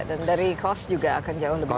jadi cost juga akan jauh lebih kurang